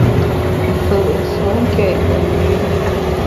Mfù’ nsuonké üre !